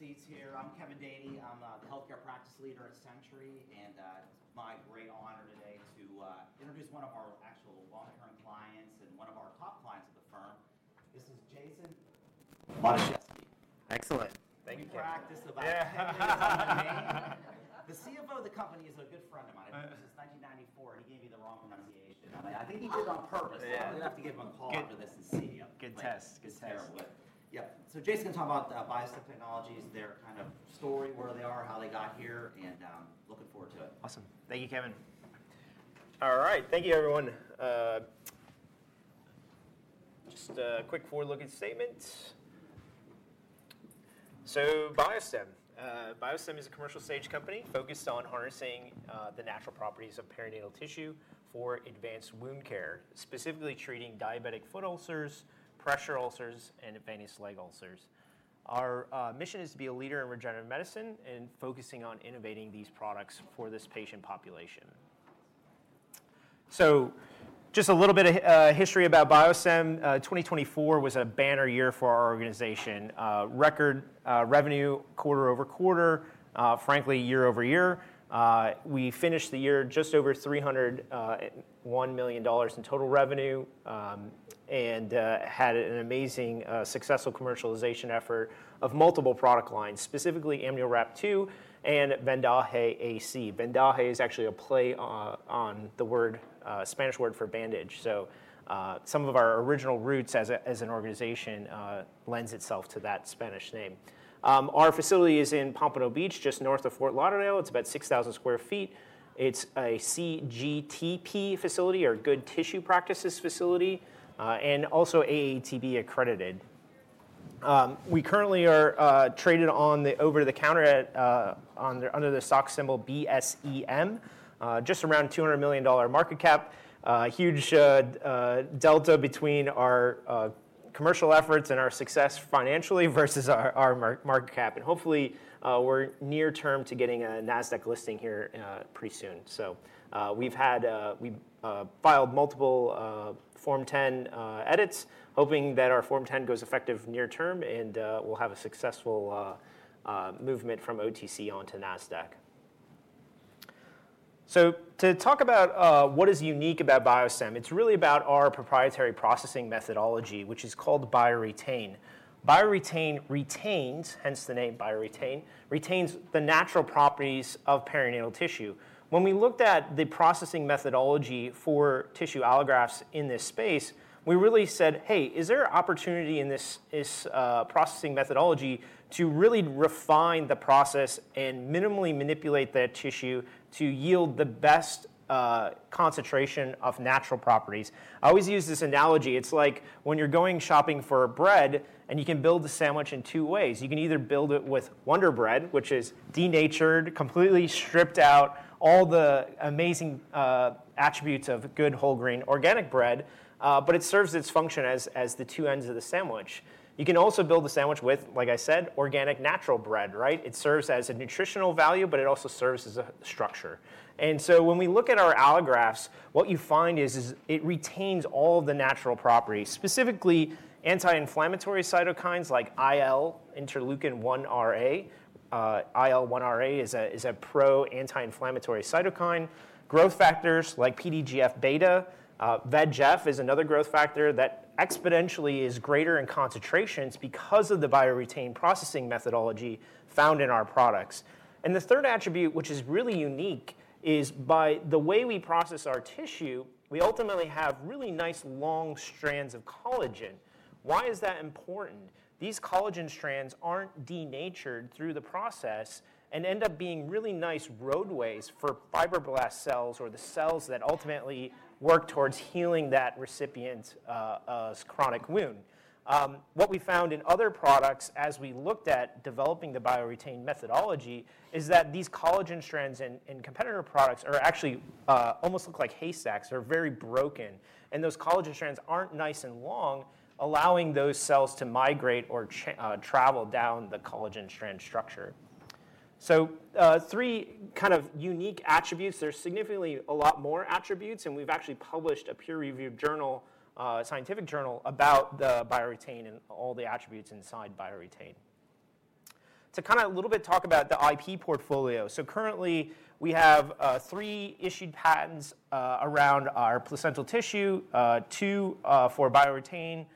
Big takes receipts here. I'm Kevin Denyeau. I'm the Healthcare Practice Leader at Century, and it's my great honor today to introduce one of our actual long-term clients and one of our top clients of the firm. This is Jason Matuszewski. Excellent. Thank you, Kevin. We practice the best. Yeah. The CFO of the company is a good friend of mine. I think this is 1994, and he gave me the wrong pronunciation. I think he did it on purpose. I'm going to have to give him a call after this and see. Good test. Good test. Yeah. Jason's going to talk about BioStem Technologies, their kind of story, where they are, how they got here, and looking forward to it. Awesome. Thank you, Kevin. All right. Thank you, everyone. Just a quick forward-looking statement. BioStem. BioStem is a commercial stage company focused on harnessing the natural properties of perinatal tissue for advanced wound care, specifically treating diabetic foot ulcers, pressure ulcers, and advanced leg ulcers. Our mission is to be a leader in regenerative medicine and focusing on innovating these products for this patient population. Just a little bit of history about BioStem. 2024 was a banner year for our organization. Record revenue, quarter-over-quarter, frankly, year-over-year. We finished the year just over $301 million in total revenue and had an amazing successful commercialization effort of multiple product lines, specifically AmnioWrap2 and VENDAJE AC. VENDAJE is actually a play on the Spanish word for bandage. Some of our original roots as an organization lend themselves to that Spanish name. Our facility is in Pompano Beach, just north of Fort Lauderdale. It's about 6,000 sq ft. It's a CGTP facility or good tissue practices facility and also AATB accredited. We currently are traded on the over-the-counter under the stock symbol $BSEM, just around $200 million market cap. Huge delta between our commercial efforts and our success financially versus our market cap. Hopefully, we're near term to getting a Nasdaq listing here pretty soon. We have filed multiple Form 10 edits, hoping that our Form 10 goes effective near term and we'll have a successful movement from OTC onto Nasdaq. To talk about what is unique about BioStem, it's really about our proprietary processing methodology, which is called BioREtain. BioREtain retains, hence the name BioREtain, retains the natural properties of perinatal tissue. When we looked at the processing methodology for tissue allografts in this space, we really said, "Hey, is there an opportunity in this processing methodology to really refine the process and minimally manipulate that tissue to yield the best concentration of natural properties?" I always use this analogy. It's like when you're going shopping for bread and you can build a sandwich in two ways. You can either build it with Wonder Bread, which is denatured, completely stripped out all the amazing attributes of good whole grain organic bread, but it serves its function as the two ends of the sandwich. You can also build a sandwich with, like I said, organic natural bread, right? It serves as a nutritional value, but it also serves as a structure. When we look at our allografts, what you find is it retains all the natural properties, specifically anti-inflammatory cytokines like IL-1RA. IL-1RA is a pro-anti-inflammatory cytokine. Growth factors like PDGF beta, VEGF is another growth factor that exponentially is greater in concentrations because of the BioREtain processing methodology found in our products. The third attribute, which is really unique, is by the way we process our tissue, we ultimately have really nice long strands of collagen. Why is that important? These collagen strands aren't denatured through the process and end up being really nice roadways for fibroblast cells or the cells that ultimately work towards healing that recipient's chronic wound. What we found in other products as we looked at developing the BioREtain methodology is that these collagen strands in competitor products actually almost look like haystacks, they're very broken. Those collagen strands are nice and long, allowing those cells to migrate or travel down the collagen strand structure. Three kind of unique attributes. There are significantly a lot more attributes, and we've actually published a peer-reviewed scientific journal about the BioREtain and all the attributes inside BioREtain. To talk a little bit about the IP portfolio. Currently, we have three issued patents around our placental tissue, two for BioREtain,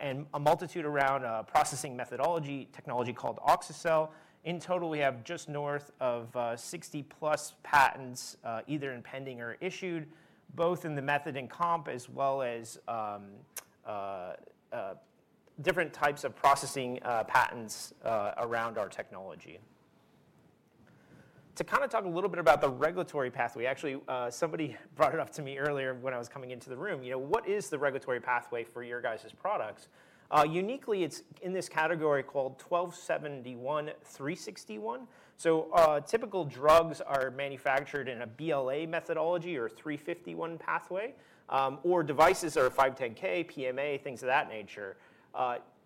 and a multitude around a processing methodology technology called OxyCell. In total, we have just north of 60-plus patents, either in pending or issued, both in the method and comp, as well as different types of processing patents around our technology. To talk a little bit about the regulatory pathway, actually, somebody brought it up to me earlier when I was coming into the room. What is the regulatory pathway for your guys' products? Uniquely, it's in this category called 1271/361. Typical drugs are manufactured in a BLA methodology or 351 pathway, or devices are 510(k), PMA, things of that nature.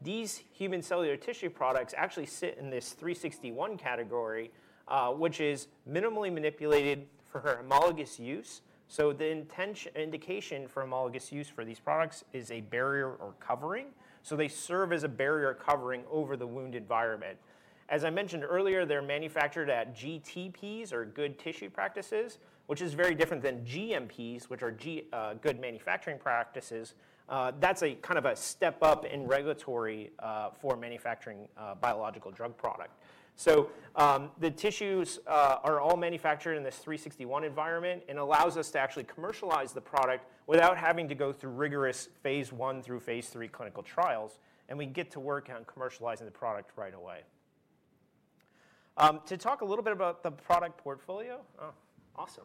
These human cellular tissue products actually sit in this 361 category, which is minimally manipulated for homologous use. The indication for homologous use for these products is a barrier or covering. They serve as a barrier covering over the wound environment. As I mentioned earlier, they're manufactured at GTPs or good tissue practices, which is very different than GMPs, which are good manufacturing practices. That's a kind of a step up in regulatory for manufacturing biological drug product. The tissues are all manufactured in this 361 environment and allows us to actually commercialize the product without having to go through rigorous phase one through phase three clinical trials. We get to work on commercializing the product right away. To talk a little bit about the product portfolio. Awesome.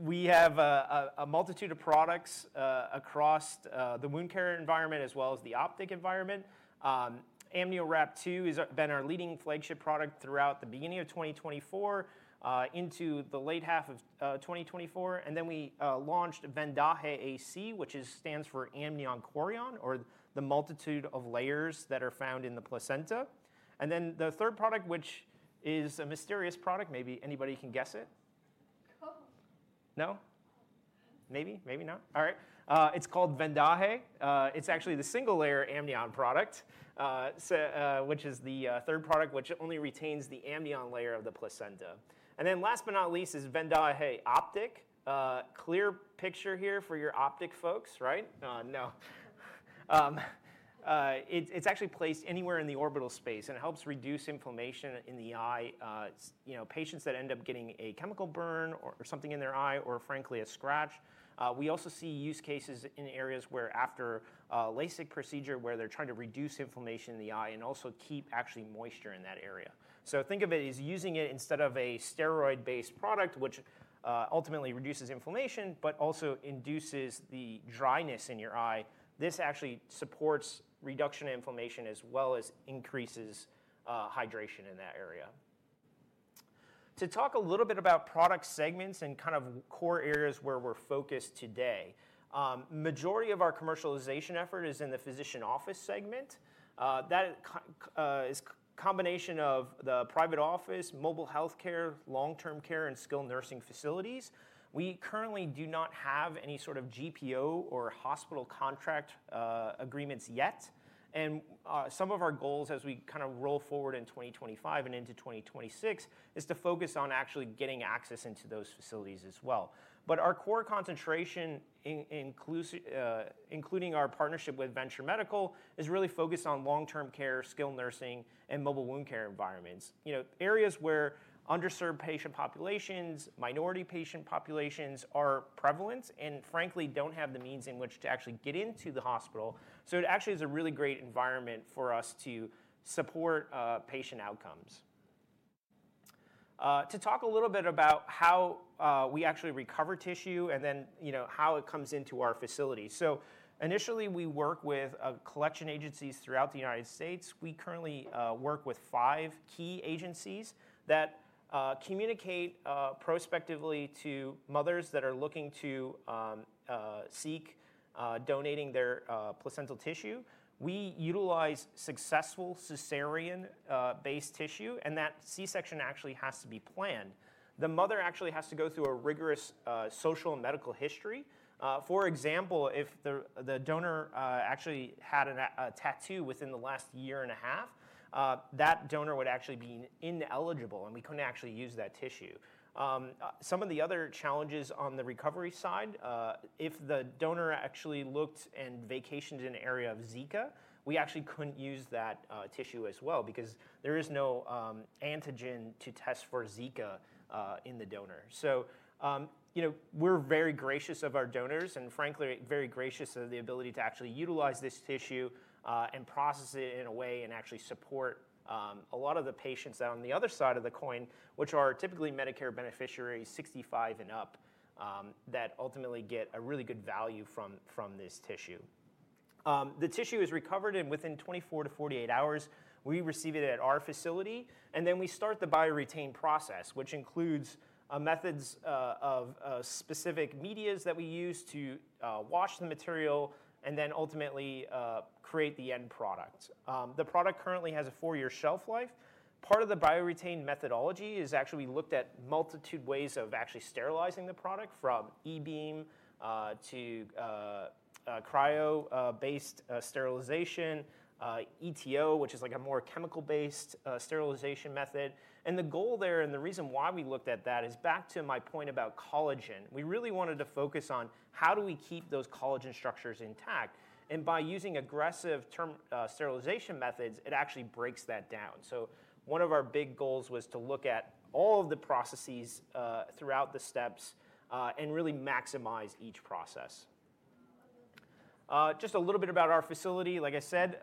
We have a multitude of products across the wound care environment as well as the optic environment. AmnioWrap2 has been our leading flagship product throughout the beginning of 2024 into the late half of 2024. We launched VENDAJE AC, which stands for amnion chorion or the multitude of layers that are found in the placenta. The third product, which is a mysterious product, maybe anybody can guess it. Cohen No? Maybe? Maybe not? All right. It's called VENDAJE. It's actually the single-layer amnion product, which is the third product which only retains the amnion layer of the placenta. Last but not least is VENDAJE OPTIC. Clear picture here for your optic folks, right? No. It's actually placed anywhere in the orbital space, and it helps reduce inflammation in the eye. Patients that end up getting a chemical burn or something in their eye or, frankly, a scratch. We also see use cases in areas where after a LASIK procedure where they're trying to reduce inflammation in the eye and also keep actually moisture in that area. Think of it as using it instead of a steroid-based product, which ultimately reduces inflammation but also induces the dryness in your eye. This actually supports reduction of inflammation as well as increases hydration in that area. To talk a little bit about product segments and kind of core areas where we're focused today, the majority of our commercialization effort is in the physician office segment. That is a combination of the private office, mobile healthcare, long-term care, and skilled nursing facilities. We currently do not have any sort of GPO or hospital contract agreements yet. Some of our goals as we kind of roll forward in 2025 and into 2026 is to focus on actually getting access into those facilities as well. Our core concentration, including our partnership with Venture Medical, is really focused on long-term care, skilled nursing, and mobile wound care environments. Areas where underserved patient populations, minority patient populations are prevalent and, frankly, do not have the means in which to actually get into the hospital. It actually is a really great environment for us to support patient outcomes. To talk a little bit about how we actually recover tissue and then how it comes into our facility. Initially, we work with collection agencies throughout the United States. We currently work with five key agencies that communicate prospectively to mothers that are looking to seek donating their placental tissue. We utilize successful cesarean-based tissue, and that C-section actually has to be planned. The mother actually has to go through a rigorous social and medical history. For example, if the donor actually had a tattoo within the last year and a half, that donor would actually be ineligible, and we couldn't actually use that tissue. Some of the other challenges on the recovery side, if the donor actually looked and vacationed in an area of Zika, we actually couldn't use that tissue as well because there is no antigen to test for Zika in the donor. We are very gracious of our donors and, frankly, very gracious of the ability to actually utilize this tissue and process it in a way and actually support a lot of the patients that, on the other side of the coin, which are typically Medicare beneficiaries 65 and up, that ultimately get a really good value from this tissue. The tissue is recovered within 24-48 hours. We receive it at our facility, and then we start the BioREtain process, which includes methods of specific medias that we use to wash the material and then ultimately create the end product. The product currently has a four-year shelf life. Part of the BioREtain methodology is actually we looked at a multitude of ways of actually sterilizing the product from e-beam to cryo-based sterilization, ETO, which is like a more chemical-based sterilization method. The goal there and the reason why we looked at that is back to my point about collagen. We really wanted to focus on how do we keep those collagen structures intact. By using aggressive sterilization methods, it actually breaks that down. One of our big goals was to look at all of the processes throughout the steps and really maximize each process. Just a little bit about our facility. Like I said,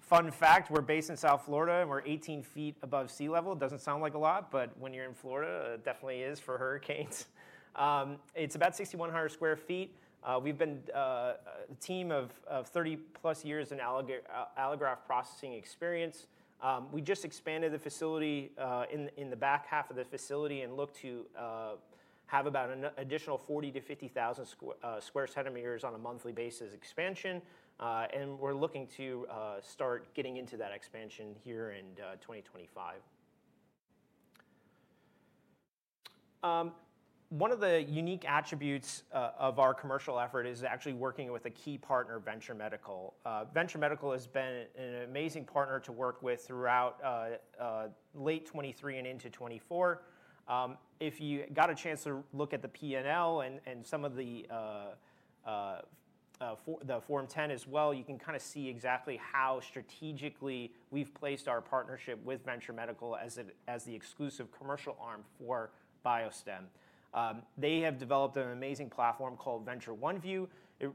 fun fact, we're based in South Florida, and we're 18 feet above sea level. It doesn't sound like a lot, but when you're in Florida, it definitely is for hurricanes. It's about 6,100 sq ft. We've been a team of 30-plus years in allograft processing experience. We just expanded the facility in the back half of the facility and look to have about an additional 40,000-50,000 square centimeters on a monthly basis expansion. We are looking to start getting into that expansion here in 2025. One of the unique attributes of our commercial effort is actually working with a key partner, Venture Medical. Venture Medical has been an amazing partner to work with throughout late 2023 and into 2024. If you got a chance to look at the P&L and some of the Form 10 as well, you can kind of see exactly how strategically we've placed our partnership with Venture Medical as the exclusive commercial arm for BioStem. They have developed an amazing platform called Venture OneView.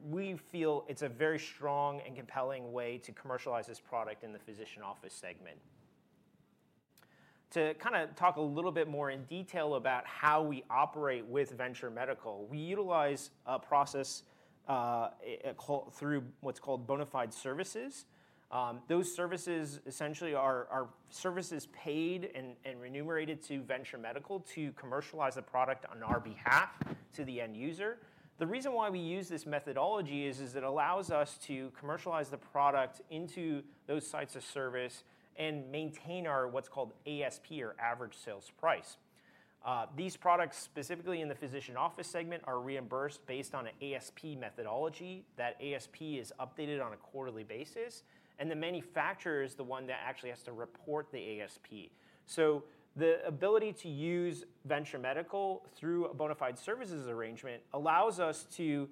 We feel it's a very strong and compelling way to commercialize this product in the physician office segment. To kind of talk a little bit more in detail about how we operate with Venture Medical, we utilize a process through what's called bona fide services. Those services essentially are services paid and remunerated to Venture Medical to commercialize the product on our behalf to the end user. The reason why we use this methodology is it allows us to commercialize the product into those sites of service and maintain our what's called ASP or average sales price. These products, specifically in the physician office segment, are reimbursed based on an ASP methodology. That ASP is updated on a quarterly basis. The manufacturer is the one that actually has to report the ASP. The ability to use Venture Medical through a bona fide services arrangement allows us to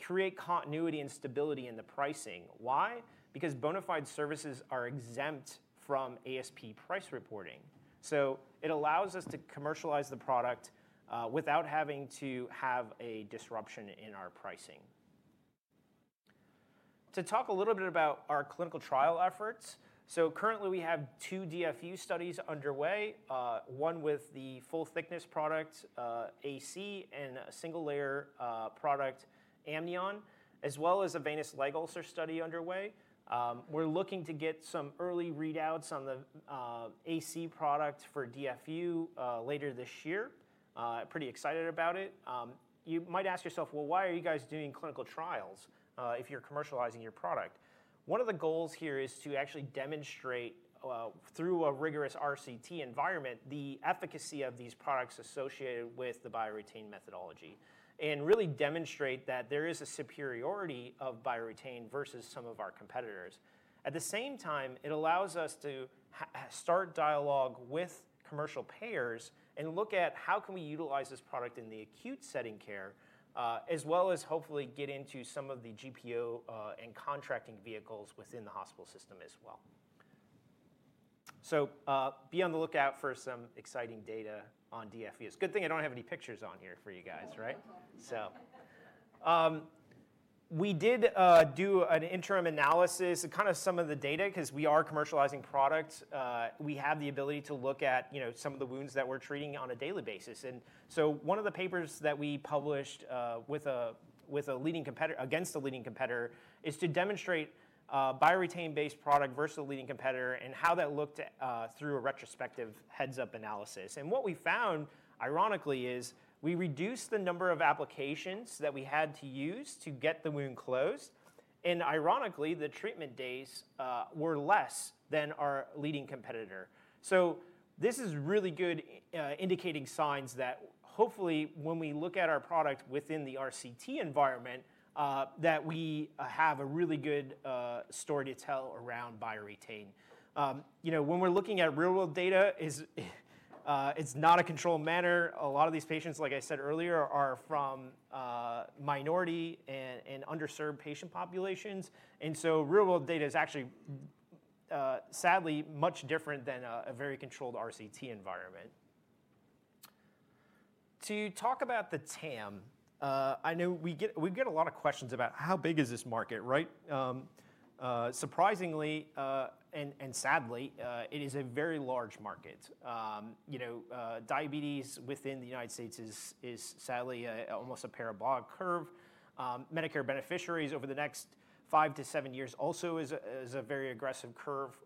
create continuity and stability in the pricing. Why? Because bona fide services are exempt from ASP price reporting. It allows us to commercialize the product without having to have a disruption in our pricing. To talk a little bit about our clinical trial efforts. Currently, we have two DFU studies underway, one with the full-thickness product AC and a single-layer product amnion, as well as a venous leg ulcer study underway. We're looking to get some early readouts on the AC product for DFU later this year. Pretty excited about it. You might ask yourself, why are you guys doing clinical trials if you're commercializing your product? One of the goals here is to actually demonstrate through a rigorous RCT environment the efficacy of these products associated with the BioREtain methodology and really demonstrate that there is a superiority of BioREtain versus some of our competitors. At the same time, it allows us to start dialogue with commercial payers and look at how can we utilize this product in the acute setting care, as well as hopefully get into some of the GPO and contracting vehicles within the hospital system as well. Be on the lookout for some exciting data on DFUs. Good thing I don't have any pictures on here for you guys, right? We did do an interim analysis of kind of some of the data because we are commercializing products. We have the ability to look at some of the wounds that we're treating on a daily basis. One of the papers that we published against a leading competitor is to demonstrate a BioREtain-based product versus a leading competitor and how that looked through a retrospective heads-up analysis. What we found, ironically, is we reduced the number of applications that we had to use to get the wound closed. Ironically, the treatment days were less than our leading competitor. This is really good, indicating signs that hopefully when we look at our product within the RCT environment, we have a really good story to tell around BioREtain. When we're looking at real-world data, it's not a controlled manner. A lot of these patients, like I said earlier, are from minority and underserved patient populations. Real-world data is actually, sadly, much different than a very controlled RCT environment. To talk about the TAM, I know we get a lot of questions about how big is this market, right? Surprisingly and sadly, it is a very large market. Diabetes within the United States is, sadly, almost a parabolic curve. Medicare beneficiaries over the next five to seven years also is a very aggressive curve.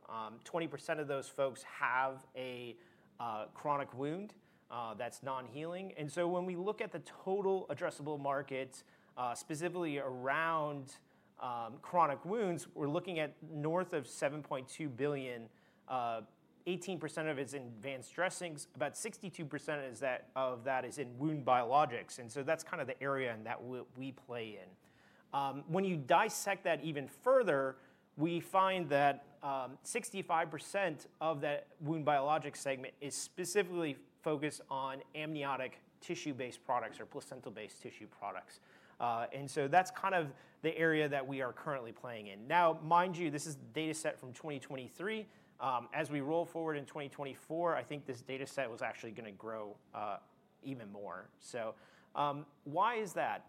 20% of those folks have a chronic wound that's non-healing. When we look at the total addressable market, specifically around chronic wounds, we're looking at north of $7.2 billion. 18% of it is in advanced dressings. About 62% of that is in wound biologics. That's kind of the area that we play in. When you dissect that even further, we find that 65% of that wound biologics segment is specifically focused on amniotic tissue-based products or placental-based tissue products. That's kind of the area that we are currently playing in. Now, mind you, this is a dataset from 2023. As we roll forward in 2024, I think this dataset was actually going to grow even more. Why is that?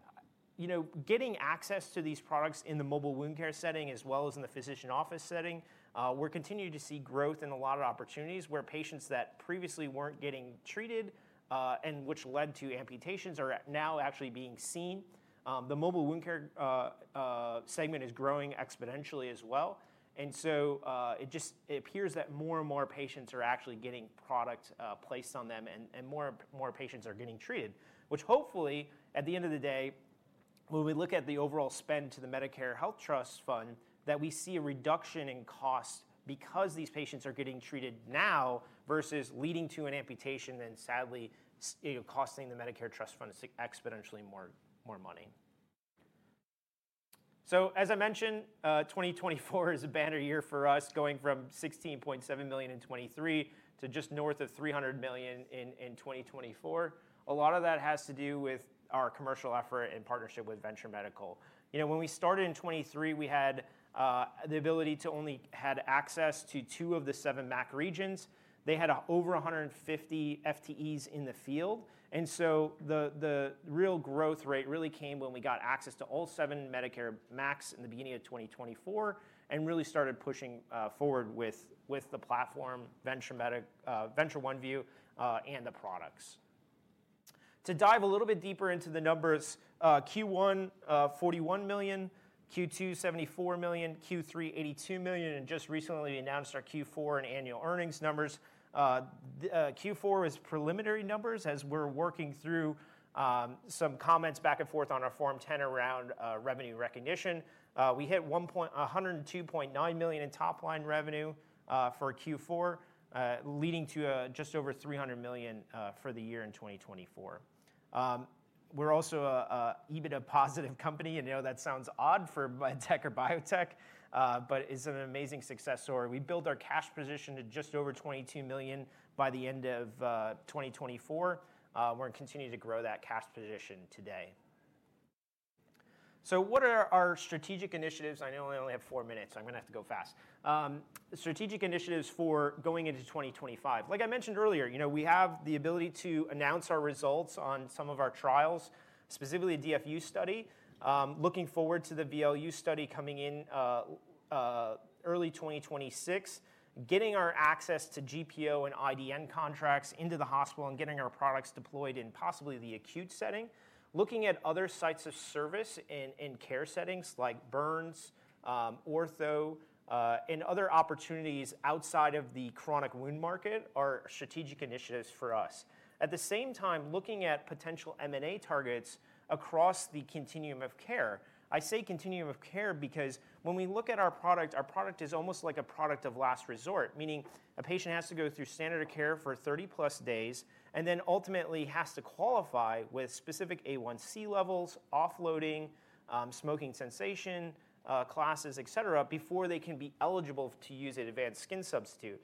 Getting access to these products in the mobile wound care setting as well as in the physician office setting, we're continuing to see growth in a lot of opportunities where patients that previously weren't getting treated and which led to amputations are now actually being seen. The mobile wound care segment is growing exponentially as well. It appears that more and more patients are actually getting product placed on them and more patients are getting treated, which hopefully, at the end of the day, when we look at the overall spend to the Medicare Health Trust Fund, that we see a reduction in cost because these patients are getting treated now versus leading to an amputation and, sadly, costing the Medicare Trust Fund exponentially more money. As I mentioned, 2024 is a banner year for us, going from $16.7 million in 2023 to just north of $300 million in 2024. A lot of that has to do with our commercial effort and partnership with Venture Medical. When we started in 2023, we had the ability to only have access to two of the seven MAC regions. They had over 150 FTEs in the field. The real growth rate really came when we got access to all seven Medicare MACs in the beginning of 2024 and really started pushing forward with the platform, Venture OneView and the products. To dive a little bit deeper into the numbers, Q1, $41 million. Q2, $74 million. Q3, $82 million. We just recently announced our Q4 and annual earnings numbers. Q4 was preliminary numbers as we're working through some comments back and forth on our Form 10 around revenue recognition. We hit $102.9 million in top-line revenue for Q4, leading to just over $300 million for the year in 2024. We're also an EBITDA positive company. I know that sounds odd for MedTech or Biotech, but it's an amazing success story. We built our cash position to just over $22 million by the end of 2024. We're continuing to grow that cash position today. What are our strategic initiatives? I know I only have four minutes, so I'm going to have to go fast. Strategic initiatives for going into 2025. Like I mentioned earlier, we have the ability to announce our results on some of our trials, specifically a DFU study. Looking forward to the VLU study coming in early 2026, getting our access to GPO and IDN contracts into the hospital and getting our products deployed in possibly the acute setting. Looking at other sites of service in care settings like burns, ortho and other opportunities outside of the chronic wound market are strategic initiatives for us. At the same time, looking at potential M&A targets across the continuum of care. I say continuum of care because when we look at our product, our product is almost like a product of last resort, meaning a patient has to go through standard of care for 30-plus days and then ultimately has to qualify with specific A1C levels, offloading, smoking cessation classes, etc., before they can be eligible to use an advanced skin substitute.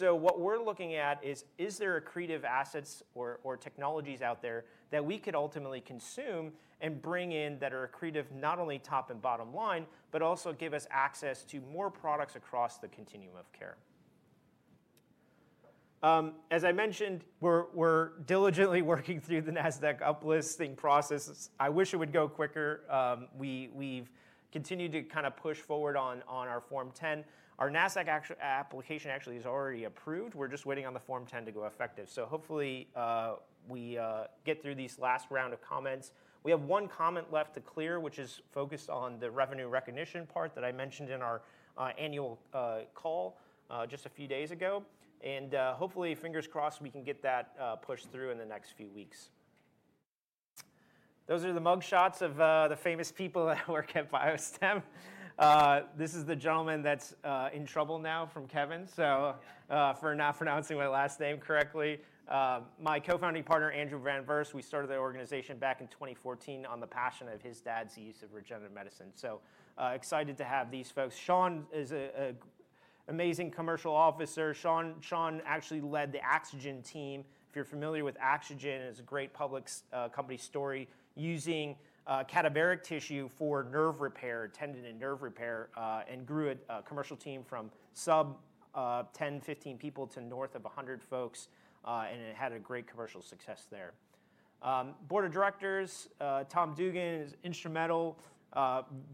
What we're looking at is, is there accretive assets or technologies out there that we could ultimately consume and bring in that are accretive not only top and bottom line, but also give us access to more products across the continuum of care? As I mentioned, we're diligently working through the Nasdaq uplisting process. I wish it would go quicker. We've continued to kind of push forward on our Form 10. Our Nasdaq application actually is already approved. We're just waiting on the Form 10 to go effective. Hopefully we get through this last round of comments. We have one comment left to clear, which is focused on the revenue recognition part that I mentioned in our annual call just a few days ago. Hopefully, fingers crossed, we can get that pushed through in the next few weeks. Those are the mugshots of the famous people that work at BioStem. This is the gentleman that's in trouble now from Kevin, for not pronouncing my last name correctly. My co-founding partner, Andrew Van Vurst, we started the organization back in 2014 on the passion of his dad's use of regenerative medicine. Excited to have these folks. Shawn is an amazing commercial officer. Shawn actually led the AxoGen team. If you're familiar with AxoGen, it's a great public company story using cadaveric tissue for nerve repair, tendon and nerve repair, and grew a commercial team from sub 10, 15 people to north of 100 folks. It had a great commercial success there. Board of directors, Tom Dugan, instrumental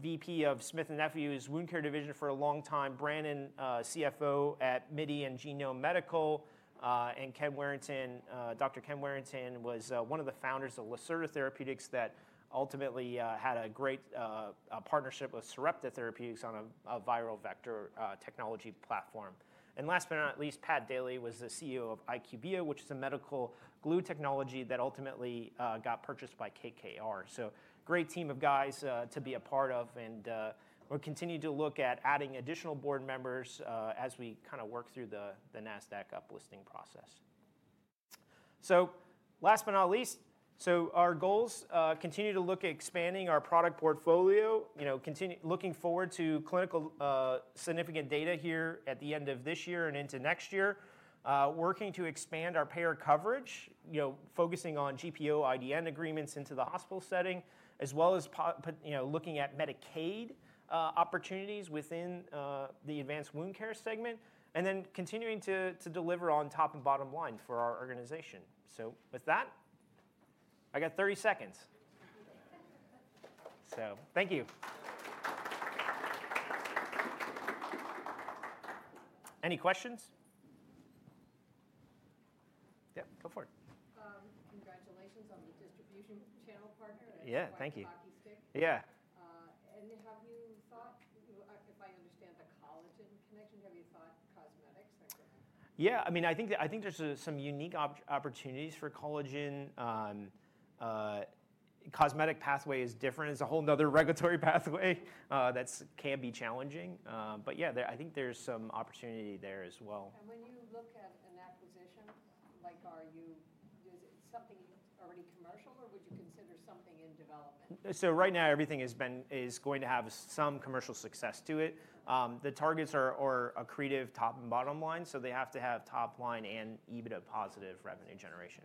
VP of Smith & Nephew's wound care division for a long time. Brandon, CFO at Midi and Genome Medical. And Dr. Ken Warrington was one of the founders of Lacerta Therapeutics that ultimately had a great partnership with Sarepta Therapeutics on a viral vector technology platform. Last but not least, Pat Daly was the CEO of IQVIA, which is a medical glue technology that ultimately got purchased by KKR. Great team of guys to be a part of. We will continue to look at adding additional board members as we kind of work through the Nasdaq uplisting process. Last but not least, our goals continue to look at expanding our product portfolio, looking forward to clinical significant data here at the end of this year and into next year, working to expand our payer coverage, focusing on GPO, IDN agreements into the hospital setting, as well as looking at Medicaid opportunities within the advanced wound care segment, and then continuing to deliver on top and bottom line for our organization. With that, I got 30 seconds. Thank you. Any questions? Yeah, go for it. Congratulations on the distribution channel partner. Yeah, thank you. Yeah. Have you thought, if I understand the collagen connection, have you thought cosmetics? Yeah. I mean, I think there's some unique opportunities for collagen. Cosmetic pathway is different. It's a whole nother regulatory pathway that can be challenging. Yeah, I think there's some opportunity there as well. When you look at an acquisition, are you does it something already commercial, or would you consider something in development? Right now, everything is going to have some commercial success to it. The targets are accretive top and bottom line, so they have to have top line and EBITDA positive revenue generation.